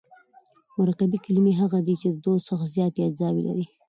مرکبي کلیمې هغه دي، چي د دوو څخه زیاتي اجزاوي لري.